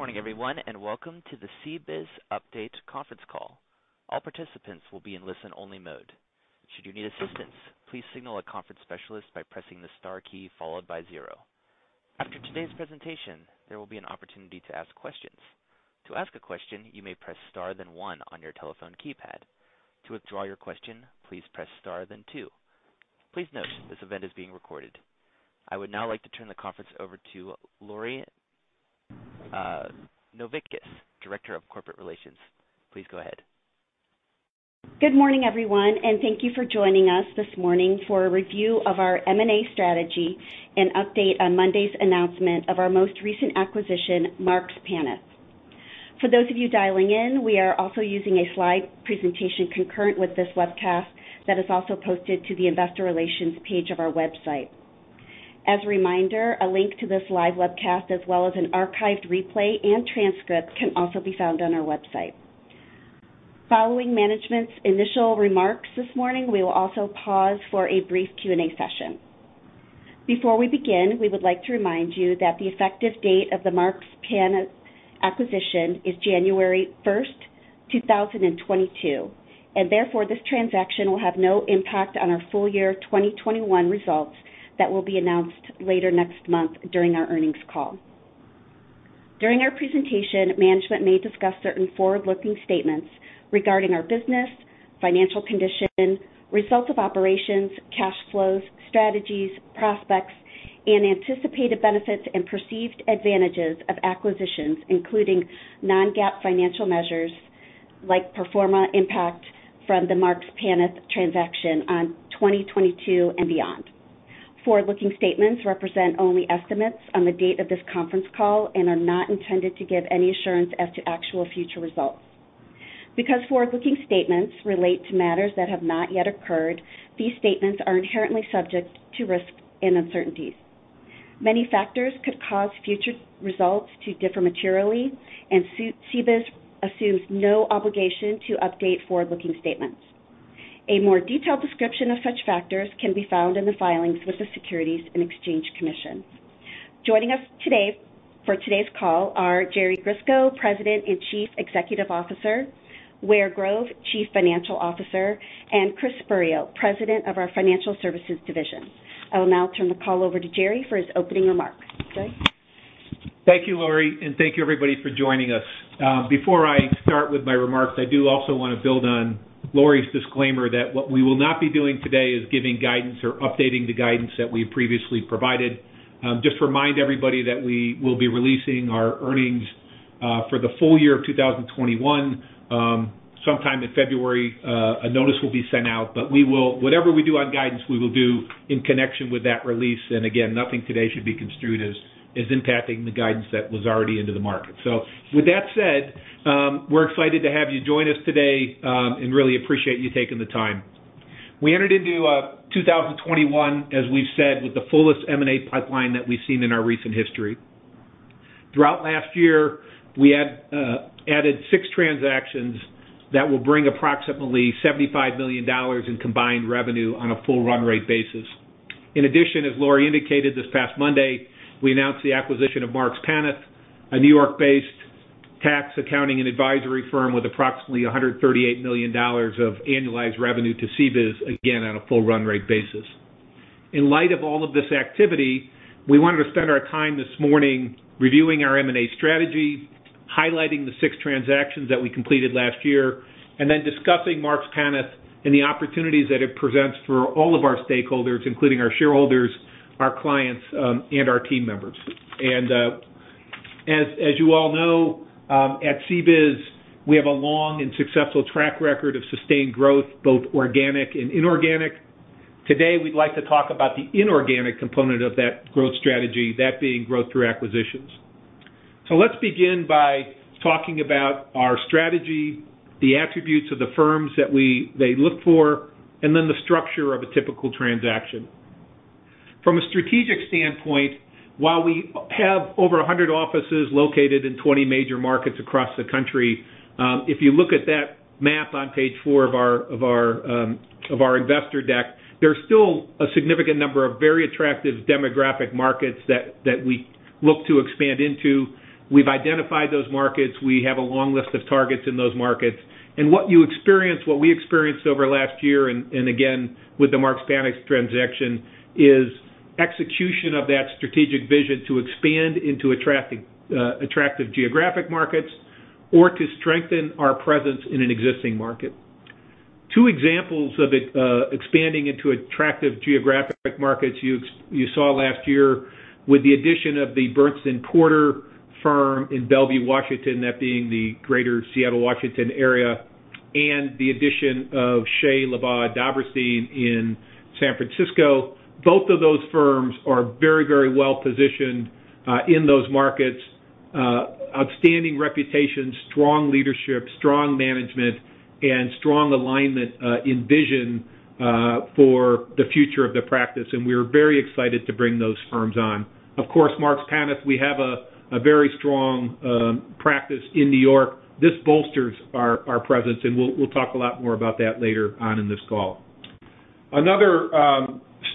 Good morning everyone, and welcome to the CBIZ update conference call. All participants will be in listen-only mode. Should you need assistance, please signal a conference specialist by pressing the star key followed by zero. After today's presentation, there will be an opportunity to ask questions. To ask a question, you may press star then one on your telephone keypad. To withdraw your question, please press star then two. Please note, this event is being recorded. I would now like to turn the conference over to Lori Novickis, Director of Corporate Relations. Please go ahead. Good morning, everyone, and thank you for joining us this morning for a review of our M&A strategy and update on Monday's announcement of our most recent acquisition, Marks Paneth. For those of you dialing in, we are also using a slide presentation concurrent with this webcast that is also posted to the Investor Relations page of our website. As a reminder, a link to this live webcast as well as an archived replay and transcript can also be found on our website. Following management's initial remarks this morning, we will also pause for a brief Q&A session. Before we begin, we would like to remind you that the effective date of the Marks Paneth acquisition is January 1st, 2022, and therefore, this transaction will have no impact on our full year 2021 results that will be announced later next month during our earnings call. During our presentation, management may discuss certain forward-looking statements regarding our business, financial condition, results of operations, cash flows, strategies, prospects, and anticipated benefits and perceived advantages of acquisitions, including non-GAAP financial measures like pro forma impact from the Marks Paneth transaction on 2022 and beyond. Forward-looking statements represent only estimates on the date of this conference call and are not intended to give any assurance as to actual future results. Because forward-looking statements relate to matters that have not yet occurred, these statements are inherently subject to risks and uncertainties. Many factors could cause future results to differ materially, and CBIZ assumes no obligation to update forward-looking statements. A more detailed description of such factors can be found in the filings with the Securities and Exchange Commission. Joining us today, for today's call are Jerry Grisko, President and Chief Executive Officer, Ware Grove, Chief Financial Officer, and Chris Spurio, President of our Financial Services Division. I will now turn the call over to Jerry for his opening remarks. Jerry? Thank you, Lori, and thank you everybody for joining us. Before I start with my remarks, I do also want to build on Lori's disclaimer that what we will not be doing today is giving guidance or updating the guidance that we previously provided. Just remind everybody that we will be releasing our earnings for the full year of 2021 sometime in February. A notice will be sent out, but whatever we do on guidance, we will do in connection with that release. Again, nothing today should be construed as impacting the guidance that was already into the market. With that said, we're excited to have you join us today and really appreciate you taking the time. We entered into 2021, as we've said, with the fullest M&A pipeline that we've seen in our recent history. Throughout last year, we had added six transactions that will bring approximately $75 million in combined revenue on a full run rate basis. In addition, as Lori indicated this past Monday, we announced the acquisition of Marks Paneth, a New York-based tax accounting and advisory firm with approximately $138 million of annualized revenue to CBIZ, again on a full run rate basis. In light of all of this activity, we wanted to spend our time this morning reviewing our M&A strategy, highlighting the six transactions that we completed last year, and then discussing Marks Paneth and the opportunities that it presents for all of our stakeholders, including our shareholders, our clients, and our team members. As you all know, at CBIZ, we have a long and successful track record of sustained growth, both organic and inorganic. Today, we'd like to talk about the inorganic component of that growth strategy, that being growth through acquisitions. Let's begin by talking about our strategy, the attributes of the firms that they look for, and then the structure of a typical transaction. From a strategic standpoint, while we have over 100 offices located in 20 major markets across the country, if you look at that map on page four of our investor deck, there's still a significant number of very attractive demographic markets that we look to expand into. We've identified those markets. We have a long list of targets in those markets. What you experience, what we experienced over last year and again with the Marks Paneth transaction is execution of that strategic vision to expand into attracting attractive geographic markets or to strengthen our presence in an existing market. Two examples of expanding into attractive geographic markets you saw last year with the addition of the Berntson Porter firm in Bellevue, Washington, that being the Greater Seattle, Washington area, and the addition of Shea Labagh Dobberstein in San Francisco. Both of those firms are very, very well-positioned in those markets with outstanding reputation, strong leadership, strong management, and strong alignment in vision for the future of the practice, and we're very excited to bring those firms on. Of course, Marks Paneth, we have a very strong practice in New York. This bolsters our presence, and we'll talk a lot more about that later on in this call. Another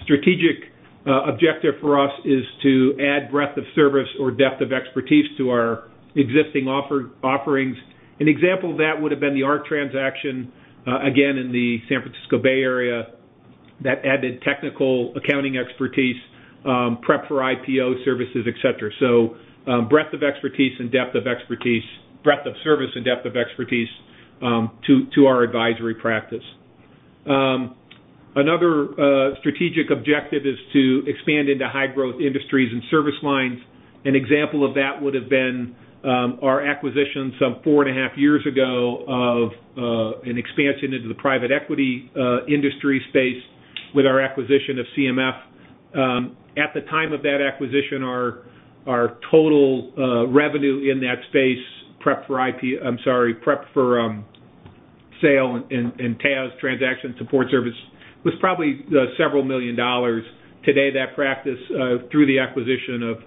strategic objective for us is to add breadth of service or depth of expertise to our existing offerings. An example of that would have been the ARC transaction again in the San Francisco Bay Area that added technical accounting expertise, prep for IPO services, et cetera. Breadth of service and depth of expertise to our advisory practice. Another strategic objective is to expand into high-growth industries and service lines. An example of that would have been our acquisition some four and a half years ago of an expansion into the private equity industry space with our acquisition of CMF. At the time of that acquisition, our total revenue in that space prep for sale and TAS transaction support service, was probably several million dollars. Today, that practice through the acquisition of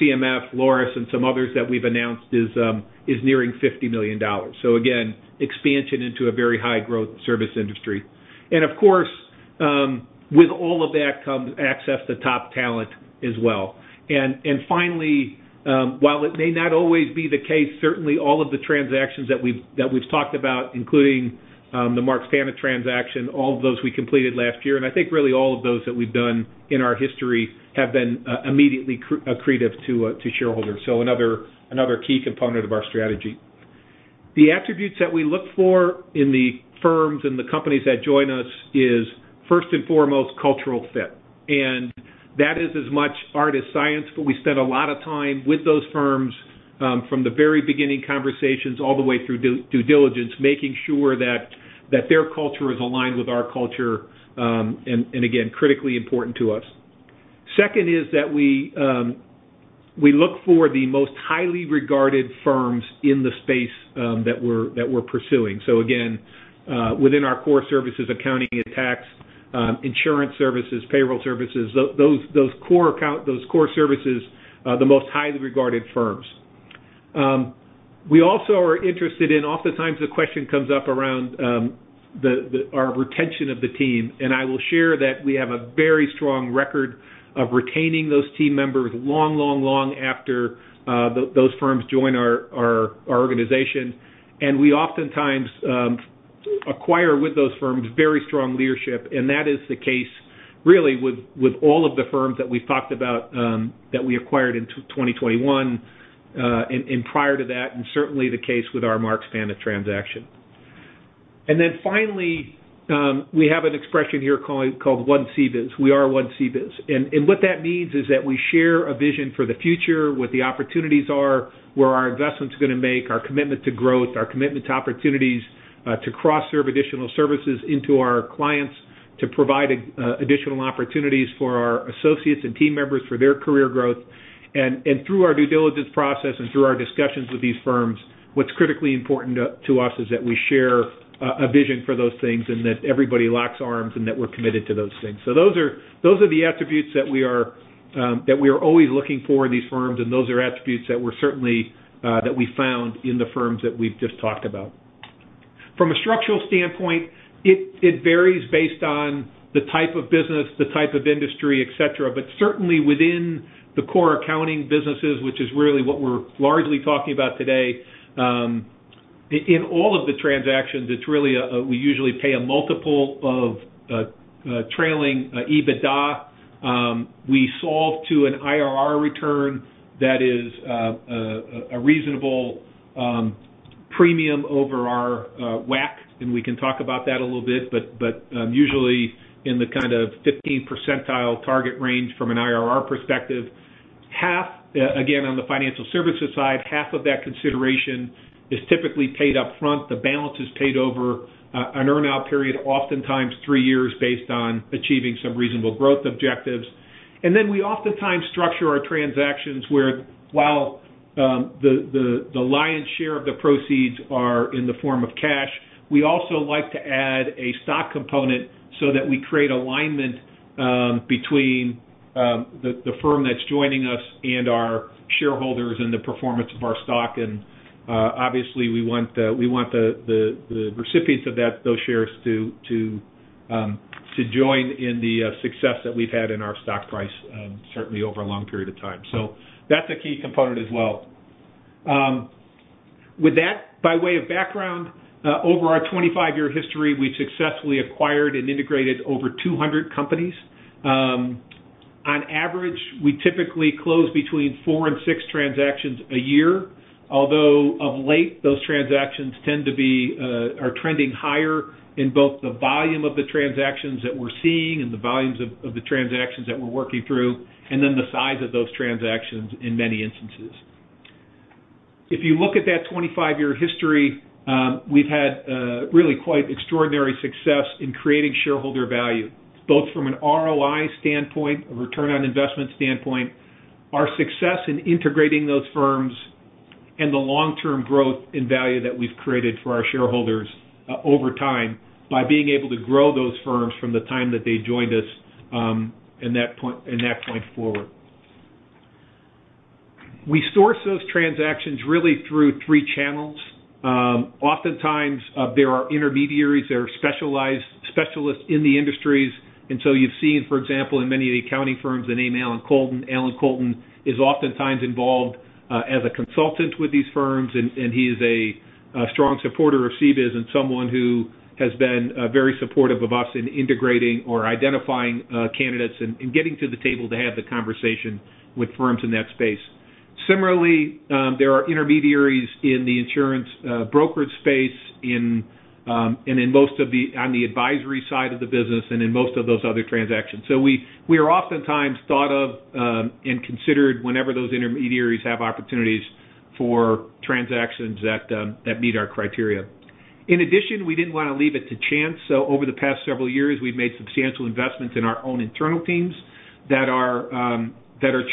CMF, Laurus and some others that we've announced is nearing $50 million. Again, expansion into a very high growth service industry. Of course, with all of that comes access to top talent as well. Finally, while it may not always be the case, certainly all of the transactions that we've talked about, including the Marks Paneth transaction, all of those we completed last year, and I think really all of those that we've done in our history have been immediately accretive to shareholders. Another key component of our strategy. The attributes that we look for in the firms and the companies that join us is first and foremost cultural fit. That is as much art as science, but we spend a lot of time with those firms, from the very beginning conversations all the way through due diligence, making sure that their culture is aligned with our culture, and again, critically important to us. Second is that we look for the most highly regarded firms in the space that we're pursuing. Again, within our core services, accounting and tax, insurance services, payroll services, those core services, the most highly regarded firms. We also are interested in. Oftentimes the question comes up around our retention of the team, and I will share that we have a very strong record of retaining those team members long after those firms join our organization. We oftentimes acquire with those firms very strong leadership. That is the case really with all of the firms that we've talked about that we acquired in 2021 and prior to that, and certainly the case with our Marks Paneth transaction. Finally, we have an expression here called One CBIZ. We are One CBIZ. What that means is that we share a vision for the future, what the opportunities are, where our investments gonna make, our commitment to growth, our commitment to opportunities, to cross-serve additional services into our clients, to provide additional opportunities for our associates and team members for their career growth. Through our due diligence process and through our discussions with these firms, what's critically important to us is that we share a vision for those things and that everybody locks arms and that we're committed to those things. Those are the attributes that we are always looking for in these firms, and those are attributes that we certainly found in the firms that we've just talked about. From a structural standpoint, it varies based on the type of business, the type of industry, et cetera. Certainly within the core accounting businesses, which is really what we're largely talking about today, in all of the transactions, it's really we usually pay a multiple of trailing EBITDA. We solve to an IRR return that is a reasonable premium over our WACC, and we can talk about that a little bit, but usually in the kind of 15th percentile target range from an IRR perspective. Half, again, on the Financial Services side, half of that consideration is typically paid up front. The balance is paid over an earn-out period, oftentimes three years based on achieving some reasonable growth objectives. We oftentimes structure our transactions where while the lion's share of the proceeds are in the form of cash, we also like to add a stock component so that we create alignment between the firm that's joining us and our shareholders and the performance of our stock. Obviously, we want the recipients of those shares to join in the success that we've had in our stock price, certainly over a long period of time. That's a key component as well. With that, by way of background, over our 25-year history, we've successfully acquired and integrated over 200 companies. On average, we typically close between four and six transactions a year. Although of late, those transactions tend to be are trending higher in both the volume of the transactions that we're seeing and the volumes of the transactions that we're working through, and then the size of those transactions in many instances. If you look at that 25-year history, we've had really quite extraordinary success in creating shareholder value, both from an ROI standpoint, a return on investment standpoint, our success in integrating those firms and the long-term growth in value that we've created for our shareholders over time by being able to grow those firms from the time that they joined us, and that point forward. We source those transactions really through three channels. Oftentimes, there are intermediaries, there are specialized specialists in the industries. You've seen, for example, in many of the accounting firms, the name Allan Koltin. Allan Koltin is oftentimes involved as a consultant with these firms, and he is a strong supporter of CBIZ and someone who has been very supportive of us in integrating or identifying candidates and getting to the table to have the conversation with firms in that space. Similarly, there are intermediaries in the insurance brokerage space, and on the advisory side of the business and in most of those other transactions. We are oftentimes thought of and considered whenever those intermediaries have opportunities for transactions that meet our criteria. In addition, we didn't wanna leave it to chance, so over the past several years, we've made substantial investments in our own internal teams that are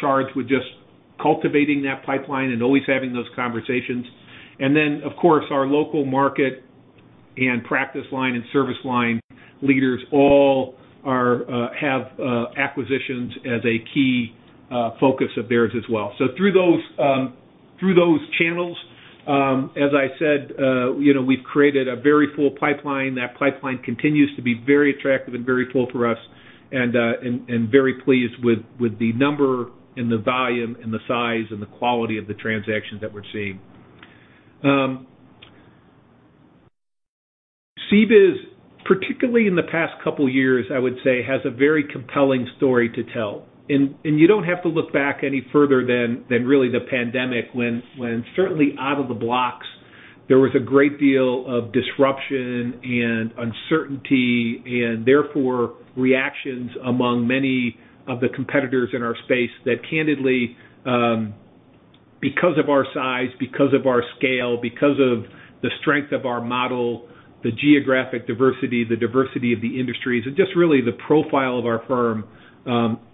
charged with just cultivating that pipeline and always having those conversations. Then, of course, our local market and practice line and service line leaders all have acquisitions as a key focus of theirs as well. Through those channels, as I said, you know, we've created a very full pipeline. That pipeline continues to be very attractive and very full for us, and we're very pleased with the number and the volume and the size and the quality of the transactions that we're seeing. CBIZ, particularly in the past couple of years, I would say, has a very compelling story to tell. You don't have to look back any further than really the pandemic when certainly out of the blocks, there was a great deal of disruption and uncertainty, and therefore reactions among many of the competitors in our space that candidly, because of our size, because of our scale, because of the strength of our model, the geographic diversity, the diversity of the industries, and just really the profile of our firm,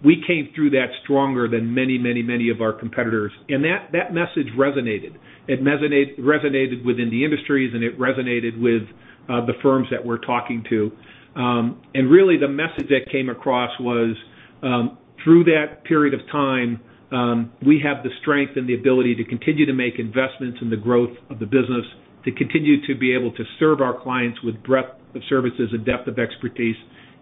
we came through that stronger than many of our competitors. That message resonated. It resonated within the industries, and it resonated with the firms that we're talking to. Really the message that came across was, through that period of time, we have the strength and the ability to continue to make investments in the growth of the business, to continue to be able to serve our clients with breadth of services and depth of expertise,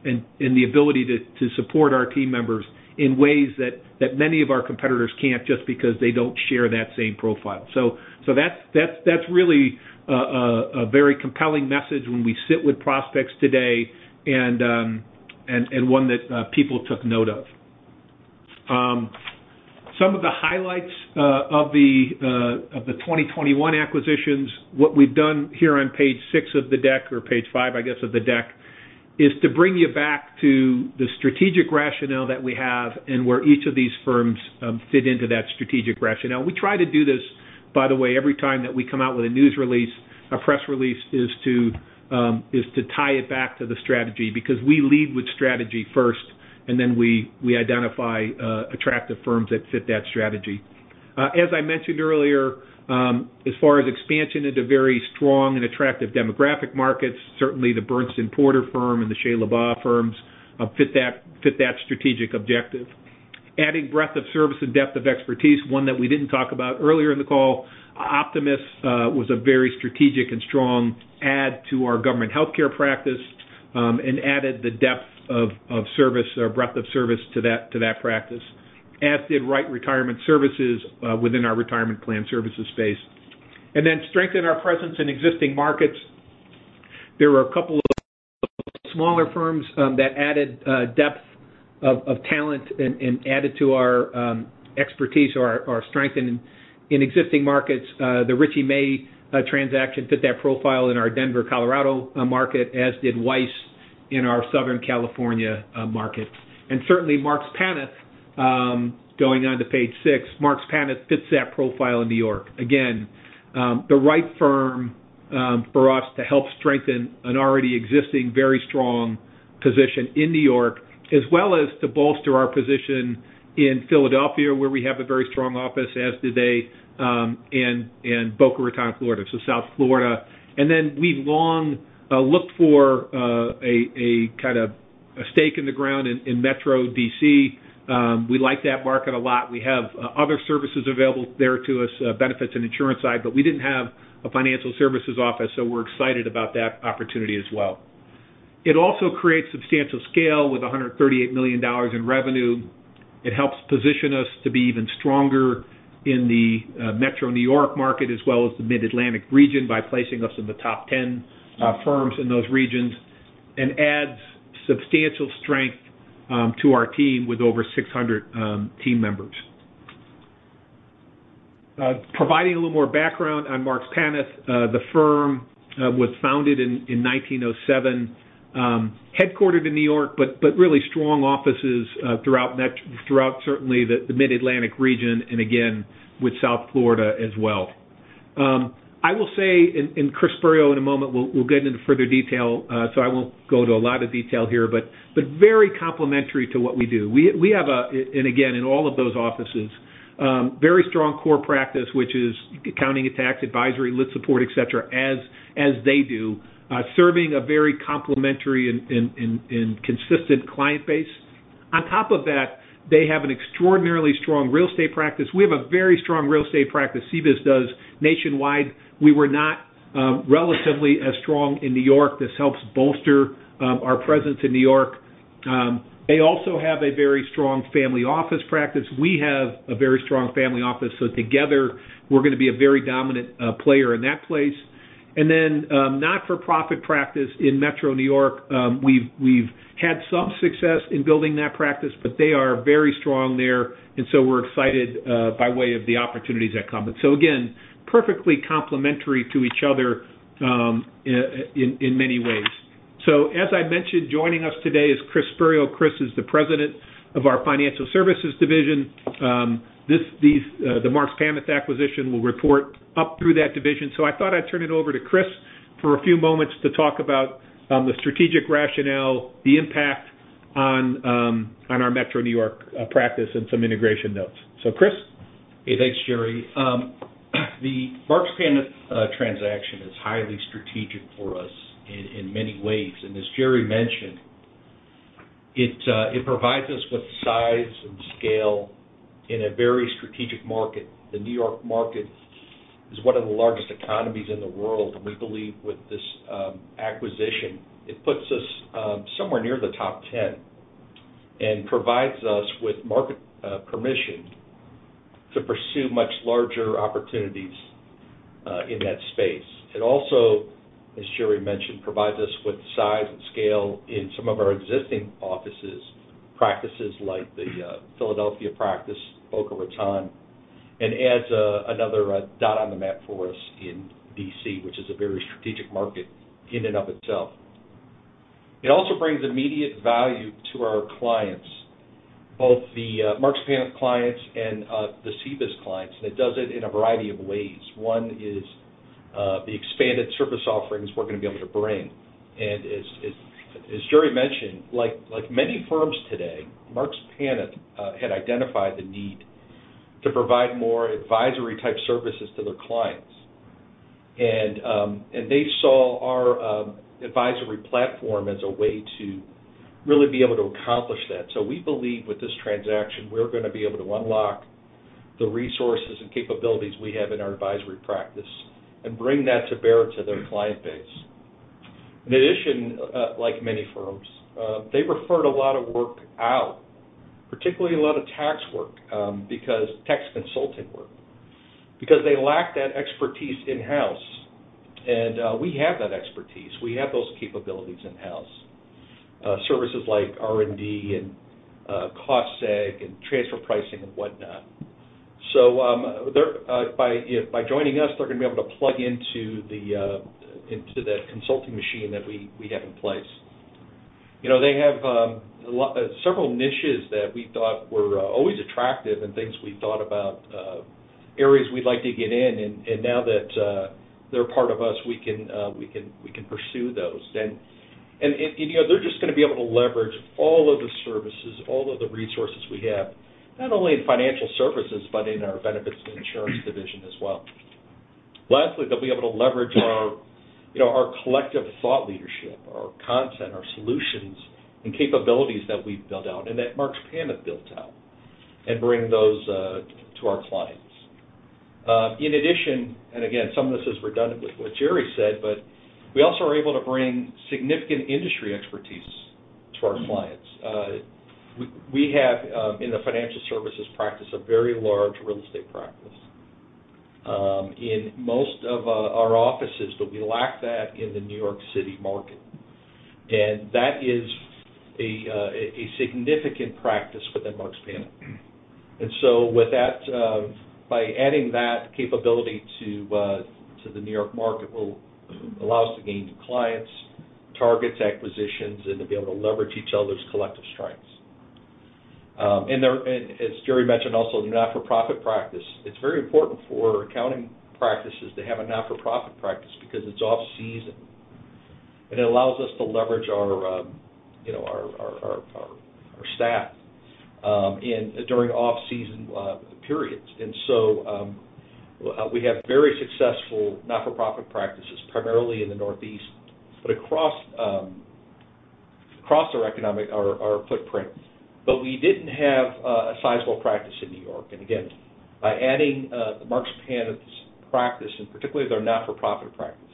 and the ability to support our team members in ways that many of our competitors can't just because they don't share that same profile. So that's really a very compelling message when we sit with prospects today and one that people took note of. Some of the highlights of the 2021 acquisitions, what we've done here on page six of the deck, or page five, I guess, of the deck, is to bring you back to the strategic rationale that we have and where each of these firms fit into that strategic rationale. We try to do this, by the way, every time that we come out with a news release, a press release is to tie it back to the strategy because we lead with strategy first, and then we identify attractive firms that fit that strategy. As I mentioned earlier, as far as expansion into very strong and attractive demographic markets, certainly the Berntson Porter firm and the Shea Labagh Dobberstein firms fit that strategic objective. Adding breadth of service and depth of expertise, one that we didn't talk about earlier in the call, Optumas was a very strategic and strong add to our government healthcare practice, and added the depth of service or breadth of service to that practice, as did Wright Retirement Services within our retirement plan services space. Strengthen our presence in existing markets. There were a couple of smaller firms that added depth of talent and added to our expertise or our strength in existing markets. The Richey May transaction fit that profile in our Denver, Colorado market, as did Weiss in our Southern California market. Certainly Marks Paneth, going on to page six, fits that profile in New York. Again, the right firm for us to help strengthen an already existing, very strong position in New York, as well as to bolster our position in Philadelphia, where we have a very strong office, as do they, in Boca Raton, Florida, so South Florida. Then we've long looked for a kind of stake in the ground in Metro D.C. We like that market a lot. We have other services available there to us, Benefits & Insurance side, but we didn't have a Financial Services office, so we're excited about that opportunity as well. It also creates substantial scale with $138 million in revenue. It helps position us to be even stronger in the Metro New York market as well as the Mid-Atlantic region by placing us in the top 10 firms in those regions and adds substantial strength to our team with over 600 team members. Providing a little more background on Marks Paneth. The firm was founded in 1907, headquartered in New York, but really strong offices throughout certainly the Mid-Atlantic region and again with South Florida as well. I will say, and Chris Spurio in a moment will get into further detail, so I won't go to a lot of detail here, but very complementary to what we do. We have a... Again, in all of those offices, very strong core practice, which is accounting, tax, advisory, litigation support, et cetera, as they do, serving a very complementary and consistent client base. On top of that, they have an extraordinarily strong real estate practice. We have a very strong real estate practice, CBIZ does, nationwide. We were not relatively as strong in New York. This helps bolster our presence in New York. They also have a very strong family office practice. We have a very strong family office. So together, we're gonna be a very dominant player in that space. Not-for-profit practice in Metro New York, we've had some success in building that practice, but they are very strong there. We're excited by way of the opportunities that come. Again, perfectly complementary to each other, in many ways. As I mentioned, joining us today is Chris Spurio. Chris is the president of our Financial Services Division. The Marks Paneth acquisition will report up through that division. I thought I'd turn it over to Chris for a few moments to talk about the strategic rationale, the impact on our Metro New York practice, and some integration notes. Chris. Hey, thanks, Jerry. The Marks Paneth transaction is highly strategic for us in many ways. As Jerry mentioned, it provides us with size and scale in a very strategic market. The New York market is one of the largest economies in the world, and we believe with this acquisition, it puts us somewhere near the top 10 and provides us with market permission to pursue much larger opportunities in that space. It also, as Jerry mentioned, provides us with size and scale in some of our existing offices, practices like the Philadelphia practice, Boca Raton, and adds another dot on the map for us in D.C., which is a very strategic market in and of itself. It also brings immediate value to our clients, both the Marks Paneth clients and the CBIZ clients, and it does it in a variety of ways. One is the expanded service offerings we're gonna be able to bring. As Jerry mentioned, like many firms today, Marks Paneth had identified the need to provide more advisory type services to their clients. They saw our advisory platform as a way to really be able to accomplish that. We believe with this transaction, we're gonna be able to unlock the resources and capabilities we have in our advisory practice and bring that to bear to their client base. In addition, like many firms, they referred a lot of work out, particularly a lot of tax work, tax consulting work, because they lack that expertise in-house. We have that expertise. We have those capabilities in-house, services like R&D and cost seg and transfer pricing and whatnot. They're by joining us gonna be able to plug into that consulting machine that we have in place. You know, they have several niches that we thought were always attractive and things we thought about, areas we'd like to get in. You know, they're just gonna be able to leverage all of the services, all of the resources we have, not only in Financial Services, but in our Benefits & Insurance division as well. Lastly, they'll be able to leverage our, you know, our collective thought leadership, our content, our solutions and capabilities that we've built out and that Marks Paneth built out and bring those to our clients. In addition, some of this is redundant with what Jerry said, but we also are able to bring significant industry expertise to our clients. We have in the Financial Services practice a very large real estate practice in most of our offices, but we lack that in the New York City market. That is a significant practice within Marks Paneth. With that, by adding that capability to the New York market will allow us to gain new clients, targets, acquisitions, and to be able to leverage each other's collective strengths. As Jerry mentioned also, the not-for-profit practice. It's very important for accounting practices to have a not-for-profit practice because it's off-season, and it allows us to leverage our, you know, our staff during off-season periods. We have very successful not-for-profit practices, primarily in the Northeast, but across our footprint, but we didn't have a sizable practice in New York. Again, by adding the Marks Paneth's practice and particularly their not-for-profit practice,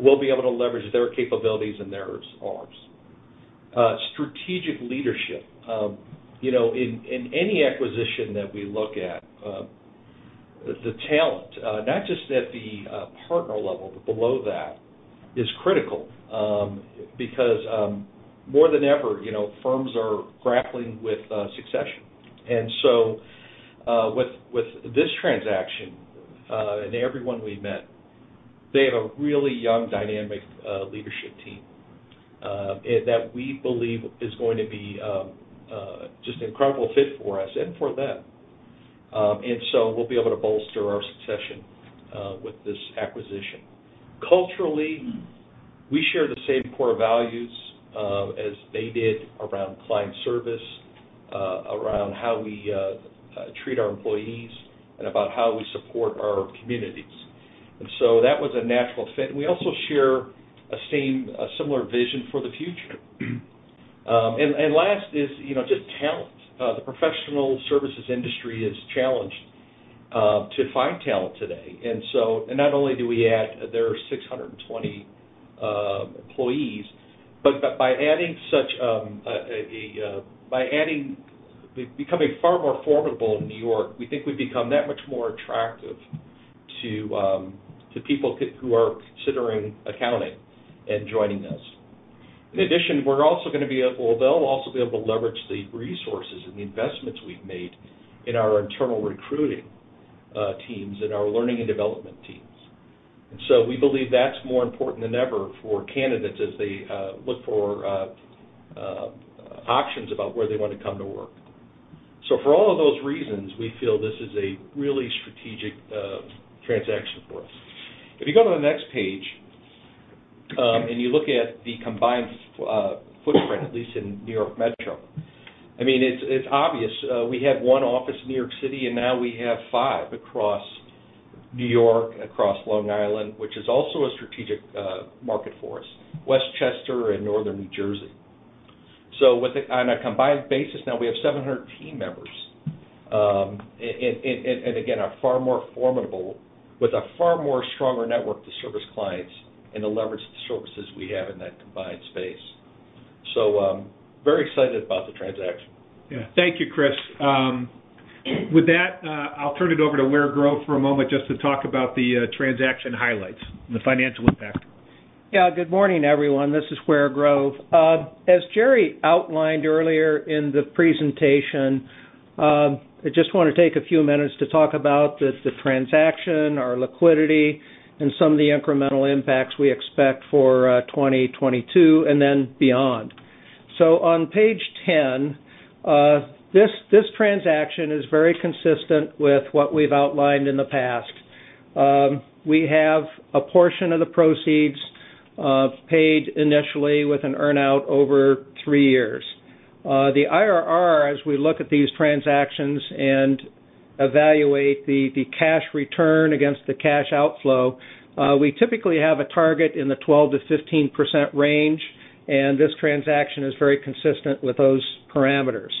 we'll be able to leverage their capabilities and their strengths. Strategic leadership. You know, in any acquisition that we look at, the talent, not just at the partner level, but below that is critical, because more than ever, you know, firms are grappling with succession. With this transaction and everyone we met, they have a really young, dynamic leadership team that we believe is going to be just an incredible fit for us and for them. We'll be able to bolster our succession with this acquisition. Culturally, we share the same core values as they did around client service, around how we treat our employees and about how we support our communities. That was a natural fit. We also share a similar vision for the future. Last is, you know, just talent. The professional services industry is challenged to find talent today. Not only do we add their 620 employees, but by becoming far more formidable in New York, we think we become that much more attractive to people who are considering accounting and joining us. In addition, they'll also be able to leverage the resources and the investments we've made in our internal recruiting teams and our learning and development teams. We believe that's more important than ever for candidates as they look for options about where they wanna come to work. For all of those reasons, we feel this is a really strategic transaction for us. If you go to the next page, and you look at the combined footprint, at least in New York Metro, I mean, it's obvious, we have one office in New York City, and now we have five across New York, across Long Island, which is also a strategic market for us, Westchester and Northern New Jersey. On a combined basis now, we have 700 team members, and again, are far more formidable with a far more stronger network to service clients and to leverage the services we have in that combined space. Very excited about the transaction. Yeah. Thank you, Chris. With that, I'll turn it over to Ware Grove for a moment just to talk about the transaction highlights and the financial impact. Yeah. Good morning, everyone. This is Ware Grove. As Jerry outlined earlier in the presentation, I just wanna take a few minutes to talk about the transaction, our liquidity, and some of the incremental impacts we expect for 2022, and then beyond. On page 10, this transaction is very consistent with what we've outlined in the past. We have a portion of the proceeds paid initially with an earn-out over three years. The IRR, as we look at these transactions and evaluate the cash return against the cash outflow, we typically have a target in the 12%-15% range, and this transaction is very consistent with those parameters.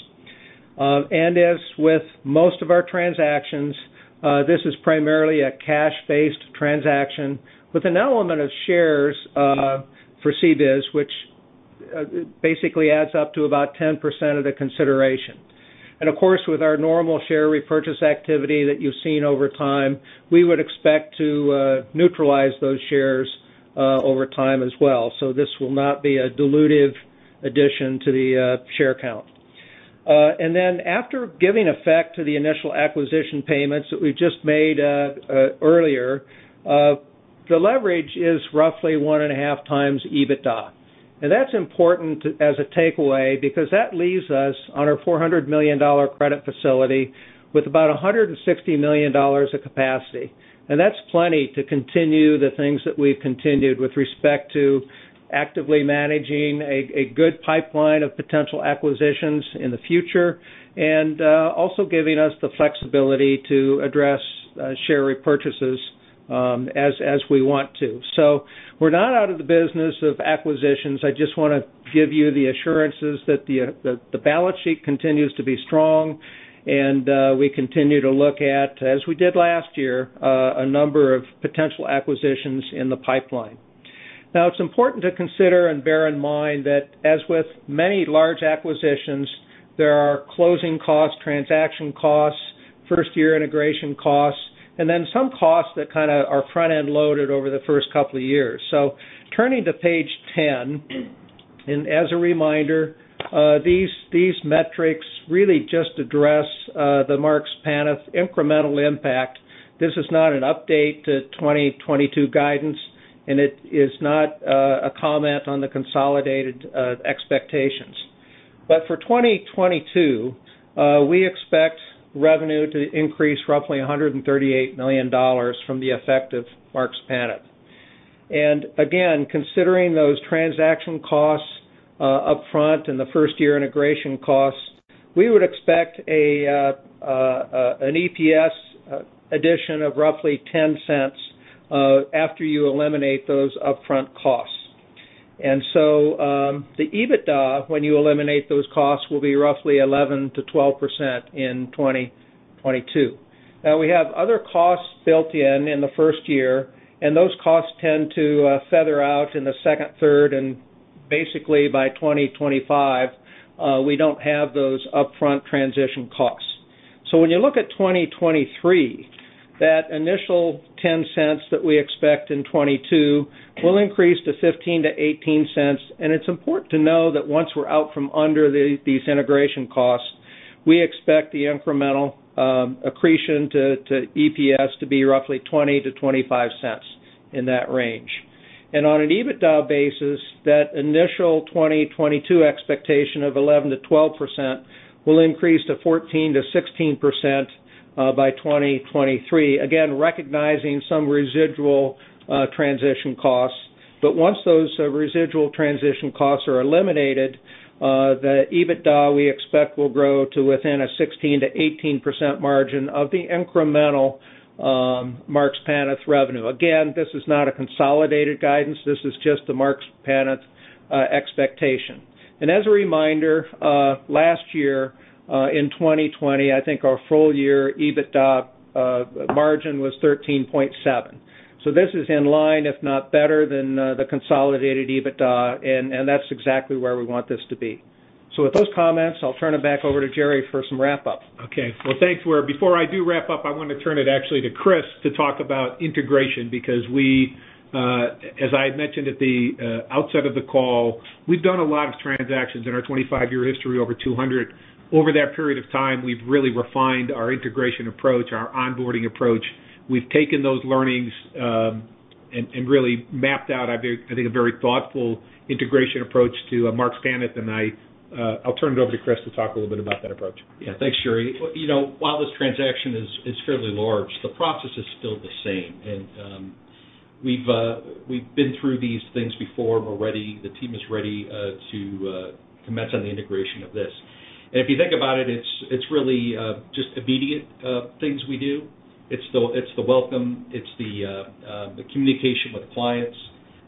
As with most of our transactions, this is primarily a cash-based transaction with an element of shares for CBIZ, which basically adds up to about 10% of the consideration. Of course, with our normal share repurchase activity that you've seen over time, we would expect to neutralize those shares over time as well. This will not be a dilutive addition to the share count. After giving effect to the initial acquisition payments that we just made earlier, the leverage is roughly 1.5x EBITDA. That's important as a takeaway because that leaves us on our $400 million credit facility with about $160 million of capacity. That's plenty to continue the things that we've continued with respect to actively managing a good pipeline of potential acquisitions in the future and also giving us the flexibility to address share repurchases as we want to. We're not out of the business of acquisitions. I just wanna give you the assurances that the balance sheet continues to be strong, and we continue to look at, as we did last year, a number of potential acquisitions in the pipeline. Now, it's important to consider and bear in mind that as with many large acquisitions, there are closing costs, transaction costs, first-year integration costs, and then some costs that kinda are front-end loaded over the first couple of years. Turning to page 10. As a reminder, these metrics really just address the Marks Paneth incremental impact. This is not an update to 2022 guidance. It is not a comment on the consolidated expectations. For 2022, we expect revenue to increase roughly $138 million from the effect of Marks Paneth. Again, considering those transaction costs upfront and the first year integration costs, we would expect an EPS addition of roughly $0.10 after you eliminate those upfront costs. The EBITDA, when you eliminate those costs, will be roughly 11%-12% in 2022. Now, we have other costs built in in the first year, and those costs tend to feather out in the second, third, and basically by 2025, we don't have those upfront transition costs. So when you look at 2023, that initial $0.10 that we expect in 2022 will increase to $0.15-$0.18. It's important to know that once we're out from under these integration costs, we expect the incremental accretion to EPS to be roughly $0.20-$0.25 in that range. On an EBITDA basis, that initial 2022 expectation of 11%-12% will increase to 14%-16% by 2023. Again, recognizing some residual transition costs. Once those residual transition costs are eliminated, the EBITDA we expect will grow to within a 16%-18% margin of the incremental Marks Paneth revenue. Again, this is not a consolidated guidance. This is just the Marks Paneth expectation. As a reminder, last year, in 2020, I think our full-year EBITDA margin was 13.7%. This is in line, if not better, than the consolidated EBITDA, and that's exactly where we want this to be. With those comments, I'll turn it back over to Jerry for some wrap up. Okay. Well, thanks. Before I do wrap up, I wanna turn it actually to Chris to talk about integration because we, as I had mentioned at the outset of the call, we've done a lot of transactions in our 25-year history, over 200. Over that period of time, we've really refined our integration approach, our onboarding approach. We've taken those learnings and really mapped out a very, I think a very thoughtful integration approach to Marks Paneth. I’ll turn it over to Chris to talk a little bit about that approach. Yeah. Thanks, Jerry. You know, while this transaction is fairly large, the process is still the same. We've been through these things before. We're ready, the team is ready to commence on the integration of this. If you think about it's really just immediate things we do. It's the welcome. It's the communication with clients.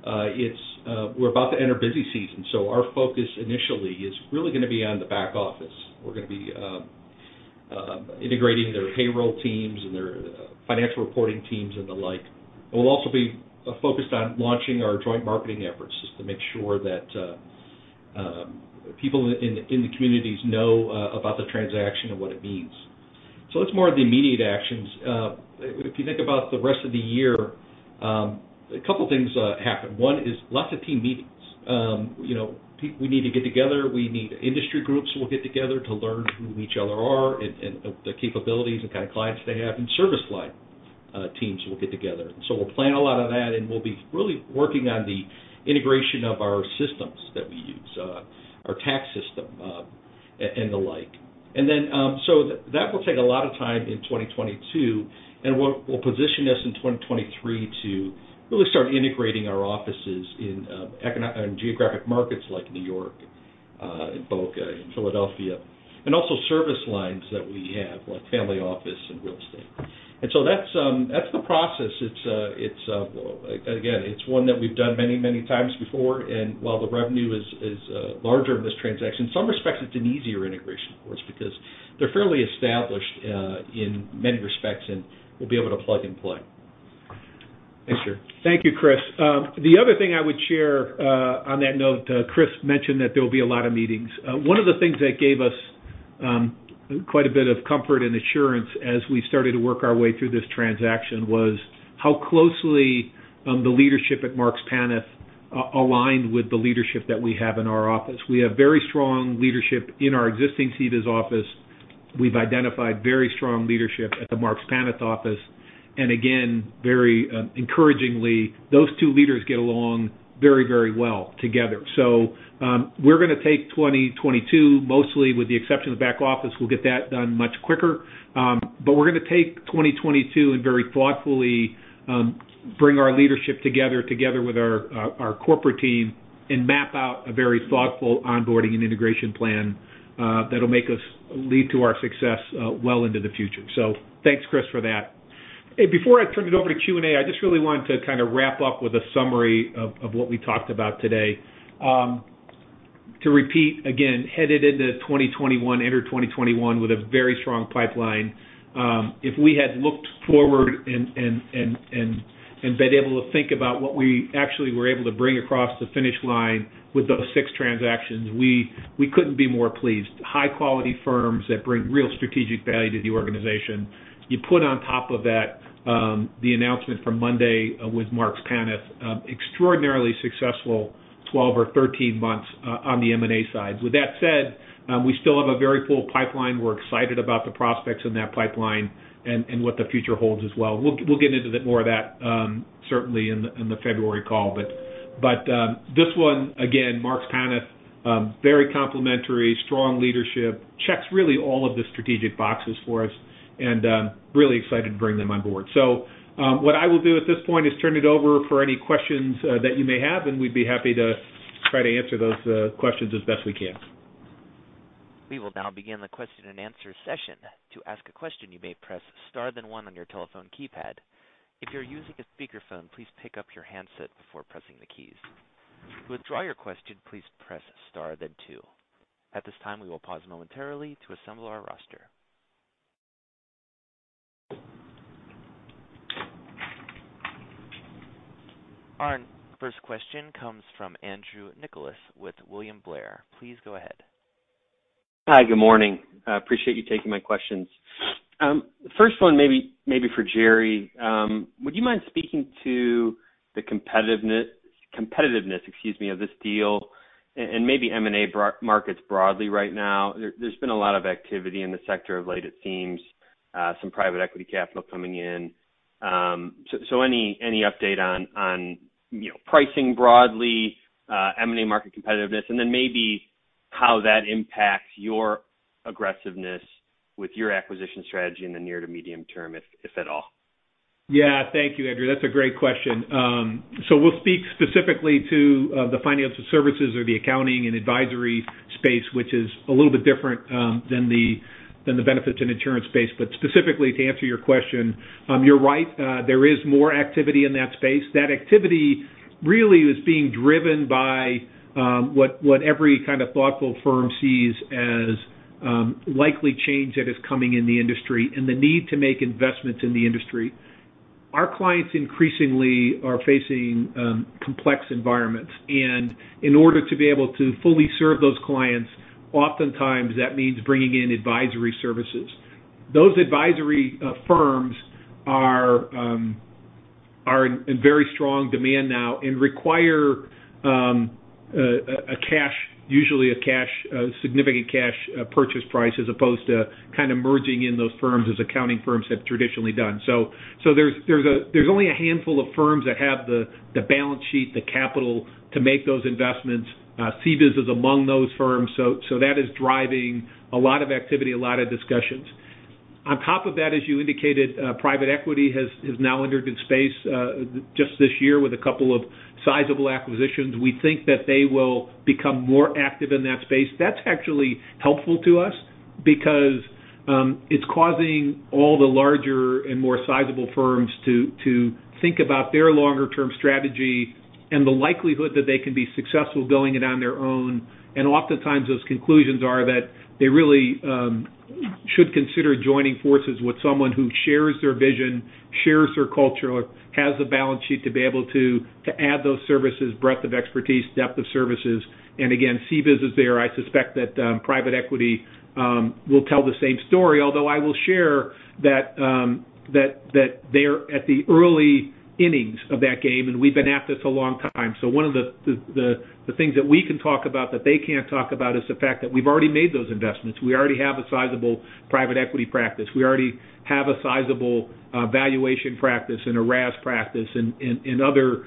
It's that we're about to enter busy season, so our focus initially is really gonna be on the back office. We're gonna be integrating their payroll teams and their financial reporting teams and the like. We'll also be focused on launching our joint marketing efforts just to make sure that people in the communities know about the transaction and what it means. It's more of the immediate actions. If you think about the rest of the year, a couple things happen. One is lots of team meetings. You know, we need to get together. We need industry groups we'll get together to learn who each other are and the capabilities and kind of clients they have. Service line teams will get together. We'll plan a lot of that, and we'll be really working on the integration of our systems that we use, our tax system, and the like. That will take a lot of time in 2022, and will position us in 2023 to really start integrating our offices in geographic markets like New York, in Boca, in Philadelphia, and also service lines that we have, like family office and real estate. That's the process. It's again, it's one that we've done many times before. While the revenue is larger in this transaction, in some respects, it's an easier integration for us because they're fairly established in many respects, and we'll be able to plug and play. Thanks. Jerry. Thank you, Chris. The other thing I would share, on that note, Chris mentioned that there will be a lot of meetings. One of the things that gave us, quite a bit of comfort and assurance as we started to work our way through this transaction was how closely, the leadership at Marks Paneth aligned with the leadership that we have in our office. We have very strong leadership in our existing CDAS office. We've identified very strong leadership at the Marks Paneth office. Again, very encouragingly, those two leaders get along very, very well together. We're gonna take 2022, mostly with the exception of the back office. We'll get that done much quicker. We're gonna take 2022 and very thoughtfully bring our leadership together with our corporate team and map out a very thoughtful onboarding and integration plan that'll make us lead to our success well into the future. Thanks, Chris, for that. Before I turn it over to Q&A, I just really wanted to kind of wrap up with a summary of what we talked about today. To repeat again, headed into 2021, entered 2021 with a very strong pipeline. If we had looked forward and been able to think about what we actually were able to bring across the finish line with those 6 transactions, we couldn't be more pleased. High-quality firms that bring real strategic value to the organization. You put on top of that, the announcement from Monday with Marks Paneth, extraordinarily successful 12 or 13 months on the M&A side. With that said, we still have a very full pipeline. We're excited about the prospects in that pipeline and what the future holds as well. We'll get into a bit more of that, certainly in the February call. This one, again, Marks Paneth, very complementary, strong leadership, checks really all of the strategic boxes for us and really excited to bring them on board. What I will do at this point is turn it over for any questions that you may have, and we'd be happy to try to answer those questions as best we can. We will now begin the question-and-answer session. To ask a question, you may press star then one on your telephone keypad. If you're using a speakerphone, please pick up your handset before pressing the keys. To withdraw your question, please press star then two. At this time, we will pause momentarily to assemble our roster. Our first question comes from Andrew Nicholas with William Blair. Please go ahead. Hi. Good morning. I appreciate you taking my questions. First one maybe for Jerry. Would you mind speaking to the competitiveness, excuse me, of this deal and maybe M&A markets broadly right now? There's been a lot of activity in the sector of late it seems, some private equity capital coming in. So any update on, you know, pricing broadly, M&A market competitiveness? Then maybe how that impacts your aggressiveness with your acquisition strategy in the near to medium term, if at all. Yeah. Thank you, Andrew. That's a great question. So we'll speak specifically to the Financial Services or the accounting and advisory space, which is a little bit different than the Benefits & Insurance space. Specifically, to answer your question, you're right. There is more activity in that space. That activity really is being driven by what every kind of thoughtful firm sees as likely change that is coming in the industry and the need to make investments in the industry. Our clients increasingly are facing complex environments, and in order to be able to fully serve those clients, oftentimes that means bringing in advisory services. Those advisory firms are in very strong demand now and require usually a significant cash purchase price, as opposed to kind of merging in those firms as accounting firms have traditionally done. There's only a handful of firms that have the balance sheet, the capital to make those investments. CBIZ is among those firms. That is driving a lot of activity, a lot of discussions. On top of that, as you indicated, private equity has now entered the space just this year with a couple of sizable acquisitions. We think that they will become more active in that space. That's actually helpful to us because it's causing all the larger and more sizable firms to think about their longer term strategy and the likelihood that they can be successful going it on their own. Oftentimes those conclusions are that they really should consider joining forces with someone who shares their vision, shares their culture, has the balance sheet to be able to add those services, breadth of expertise, depth of services. Again, CBIZ is there. I suspect that private equity will tell the same story, although I will share that they're at the early innings of that game, and we've been at this a long time. One of the things that we can talk about that they can't talk about is the fact that we've already made those investments. We already have a sizable private equity practice. We already have a sizable valuation practice and a RAS practice and other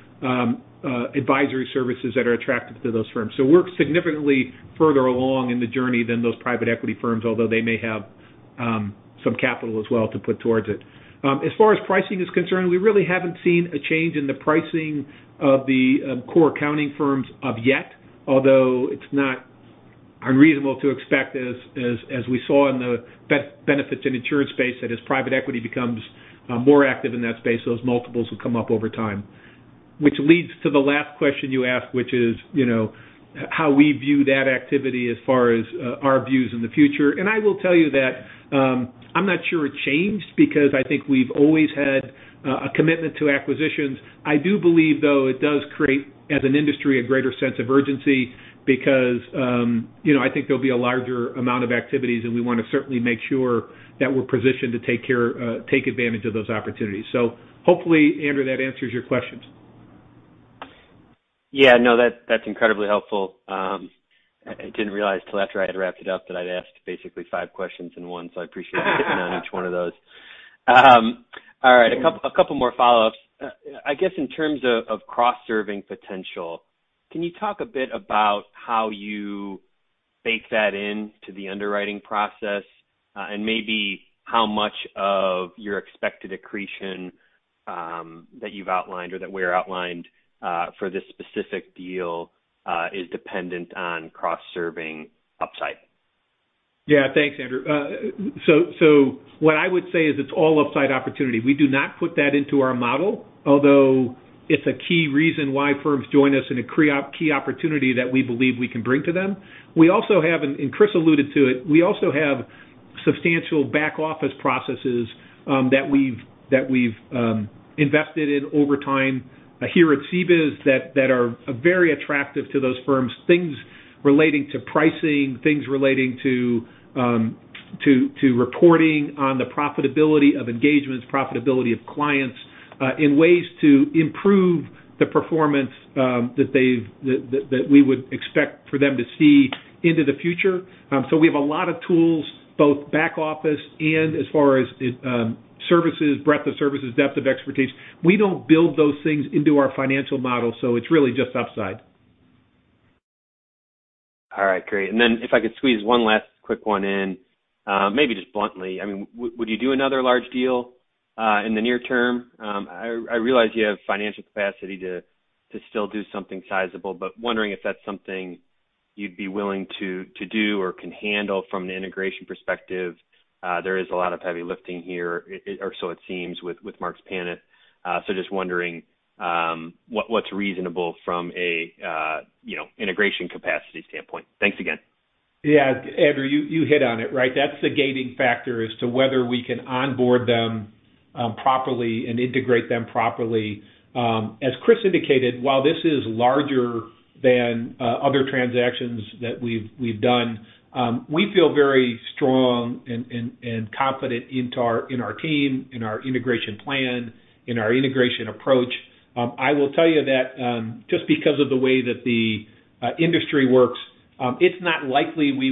advisory services that are attractive to those firms. We're significantly further along in the journey than those private equity firms, although they may have some capital as well to put towards it. As far as pricing is concerned, we really haven't seen a change in the pricing of the core accounting firms as yet, although it's not unreasonable to expect, as we saw in the Benefits & Insurance space, that as private equity becomes more active in that space, those multiples will come up over time. Which leads to the last question you asked, which is, you know, how we view that activity as far as our views in the future. I will tell you that, I'm not sure it changed because I think we've always had, a commitment to acquisitions. I do believe, though, it does create, as an industry, a greater sense of urgency because, you know, I think there'll be a larger amount of activities, and we want to certainly make sure that we're positioned to take advantage of those opportunities. Hopefully, Andrew, that answers your questions. Yeah, no, that's incredibly helpful. I didn't realize till after I had wrapped it up that I'd asked basically five questions in one, so I appreciate you hitting on each one of those. All right. A couple more follow-ups. I guess, in terms of cross-serving potential, can you talk a bit about how you bake that into the underwriting process, and maybe how much of your expected accretion that you've outlined or that we outlined for this specific deal is dependent on cross-serving upside? Yeah. Thanks, Andrew. What I would say is it's all upside opportunity. We do not put that into our model, although it's a key reason why firms join us, key opportunity that we believe we can bring to them. We also have, Chris alluded to it, we also have substantial back-office processes that we've invested in over time here at CBIZ that are very attractive to those firms. Things relating to pricing, things relating to reporting on the profitability of engagements, profitability of clients, in ways to improve the performance that we would expect for them to see into the future. We have a lot of tools, both back-office and as far as it, services, breadth of services, depth of expertise. We don't build those things into our financial model, so it's really just upside. All right, great. If I could squeeze one last quick one in, maybe just bluntly, I mean, would you do another large deal in the near term? I realize you have financial capacity to still do something sizable, but wondering if that's something you'd be willing to do or can handle from an integration perspective. There is a lot of heavy lifting here, or so it seems, with Marks Paneth. Just wondering what's reasonable from an, you know, integration capacity standpoint. Thanks again. Yeah, Andrew, you hit on it, right? That's the gating factor as to whether we can onboard them properly and integrate them properly. As Chris indicated, while this is larger than other transactions that we've done, we feel very strong and confident in our team, in our integration plan, in our integration approach. I will tell you that just because of the way that the industry works, it's not likely we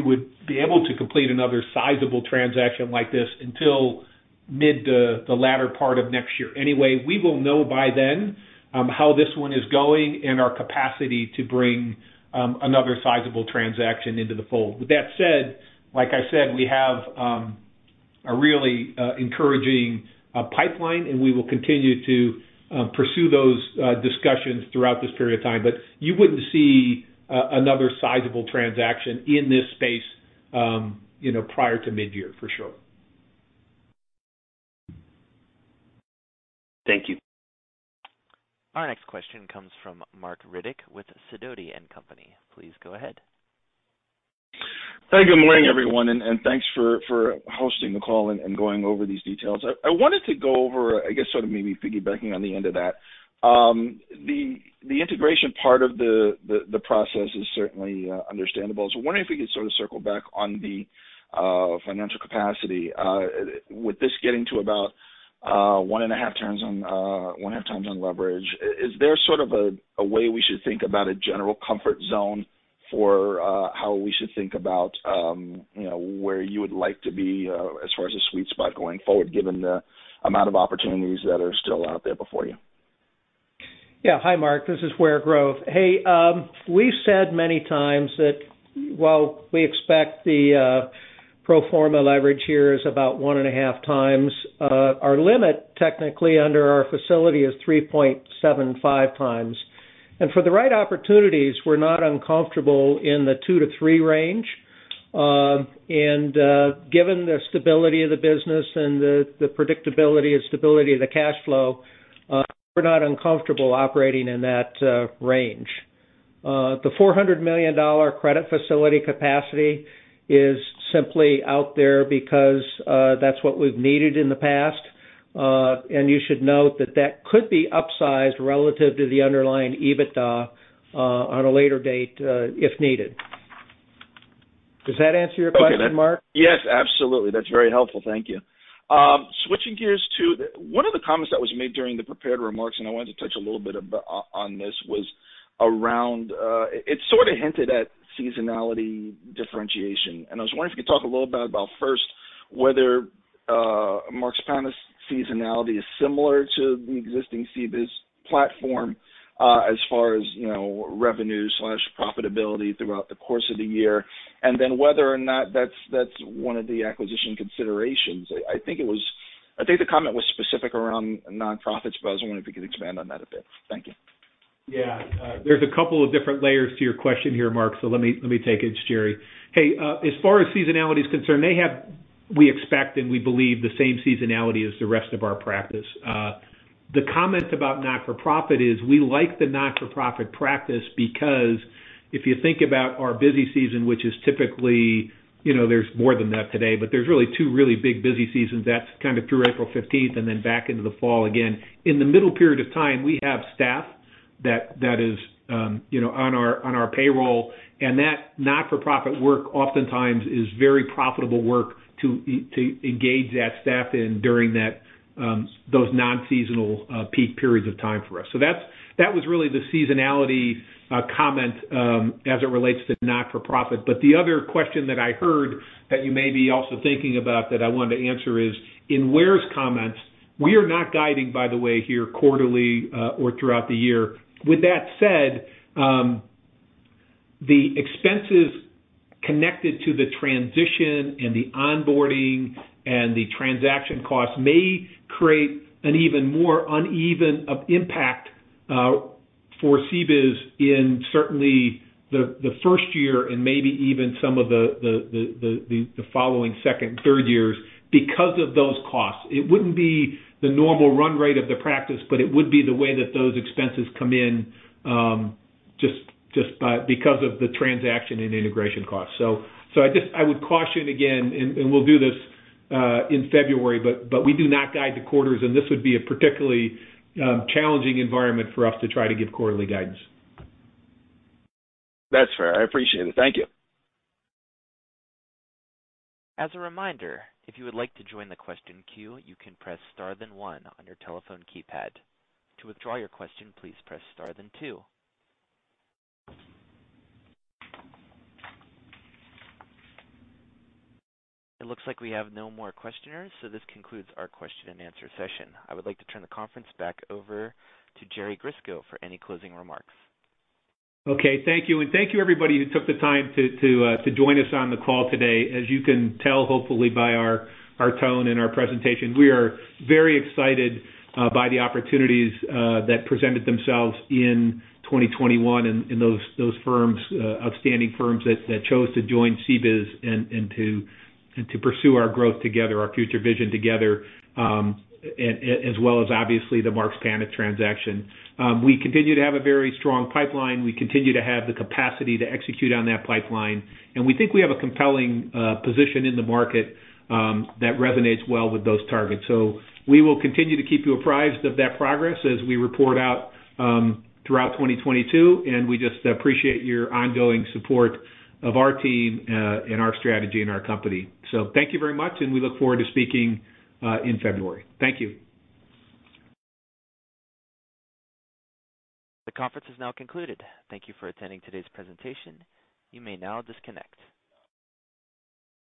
would be able to complete another sizable transaction like this until mid to the latter part of next year. Anyway, we will know by then how this one is going and our capacity to bring another sizable transaction into the fold. With that said, like I said, we have a really encouraging pipeline, and we will continue to pursue those discussions throughout this period of time. You wouldn't see another sizable transaction in this space, you know, prior to mid-year for sure. Thank you. Our next question comes from Marc Riddick with Sidoti & Company. Please go ahead. Thank you. Good morning, everyone, and thanks for hosting the call and going over these details. I wanted to go over, I guess, sort of maybe piggybacking on the end of that. The integration part of the process is certainly understandable. Wondering if we could sort of circle back on the financial capacity. With this getting to about 1.5x leverage, is there sort of a way we should think about a general comfort zone for how we should think about, you know, where you would like to be, as far as a sweet spot going forward, given the amount of opportunities that are still out there before you? Yeah. Hi, Marc. This is Ware Grove. Hey, we've said many times that while we expect the pro forma leverage here is about 1.5x our limit, technically under our facility is 3.75x. For the right opportunities, we're not uncomfortable in the 2x-3x range. Given the stability of the business and the predictability and stability of the cash flow, we're not uncomfortable operating in that range. The $400 million credit facility capacity is simply out there because that's what we've needed in the past. You should note that that could be upsized relative to the underlying EBITDA on a later date if needed. Does that answer your question, Marc? Yes, absolutely. That's very helpful. Thank you. Switching gears to one of the comments that was made during the prepared remarks, and I wanted to touch a little bit on this, was around it sort of hinted at seasonality differentiation, and I was wondering if you could talk a little bit about first whether Marks Paneth's seasonality is similar to the existing CBIZ platform, as far as, you know, revenue/profitability throughout the course of the year, and then whether or not that's one of the acquisition considerations. I think it was. I think the comment was specific around nonprofits, but I was wondering if you could expand on that a bit. Thank you. Yeah. There's a couple of different layers to your question here, Marc, so let me take it. It's Jerry. Hey, as far as seasonality is concerned, they have, we expect and we believe the same seasonality as the rest of our practice. The comment about not-for-profit is we like the not-for-profit practice because if you think about our busy season, which is typically, you know, there's more than that today, but there's really two really big busy seasons. That's kind of through April 15th, 2022 and then back into the fall again. In the middle period of time, we have staff that is, you know, on our payroll. That not-for-profit work oftentimes is very profitable work to engage that staff in during that, those non-seasonal peak periods of time for us. That was really the seasonality comment as it relates to not-for-profit. The other question that I heard that you may be also thinking about that I wanted to answer is, in Ware's comments, we are not guiding, by the way, here quarterly or throughout the year. With that said, the expenses connected to the transition and the onboarding and the transaction costs may create an even more uneven impact for CBIZ in certainly the first year and maybe even some of the following second, third years because of those costs. It wouldn't be the normal run rate of the practice, but it would be the way that those expenses come in just because of the transaction and integration costs. I would caution again, and we'll do this in February, but we do not guide the quarters, and this would be a particularly challenging environment for us to try to give quarterly guidance. That's fair. I appreciate it. Thank you. As a reminder, if you would like to join the question queue, you can press star then one on your telephone keypad. To withdraw your question, please press star then two. It looks like we have no more questioners, so this concludes our question-and-answer session. I would like to turn the conference back over to Jerry Grisko for any closing remarks. Okay, thank you. Thank you everybody who took the time to join us on the call today. As you can tell, hopefully by our tone and our presentation, we are very excited by the opportunities that presented themselves in 2021 and those outstanding firms that chose to join CBIZ and to pursue our growth together, our future vision together, as well as obviously the Marks Paneth transaction. We continue to have a very strong pipeline. We continue to have the capacity to execute on that pipeline, and we think we have a compelling position in the market that resonates well with those targets. We will continue to keep you apprised of that progress as we report out throughout 2022, and we just appreciate your ongoing support of our team, and our strategy and our company. Thank you very much, and we look forward to speaking in February. Thank you. The conference is now concluded. Thank you for attending today's presentation. You may now disconnect.